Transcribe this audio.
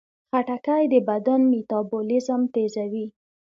خټکی د بدن میتابولیزم تیزوي.